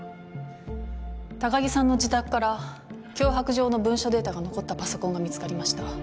高城さんの自宅から脅迫状の文書データが残ったパソコンが見つかりました。